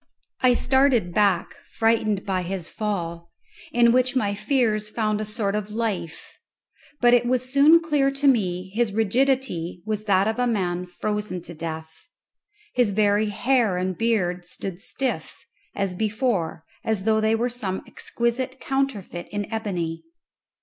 I started back frightened by his fall, in which my fears found a sort of life; but it was soon clear to me his rigidity was that of a man frozen to death. His very hair and beard stood stiff, as before, as though they were some exquisite counterfeit in ebony.